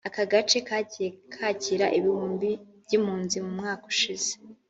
Aka gace kagiye kakira ibihumbi by’impunzi mu mwaka ushize